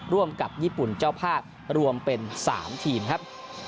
ร่วมกับญี่ปุ่นเจ้าภาพรวมเป็น๓ทีมครับ